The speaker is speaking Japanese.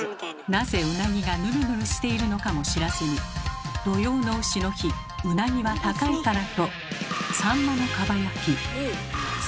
なぜウナギがヌルヌルしているのかも知らずに土用の丑の日うなぎは高いからと。